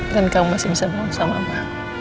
dan kamu masih bisa bangun sama mama